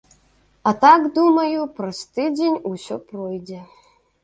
А так, думаю, праз тыдзень усё пройдзе.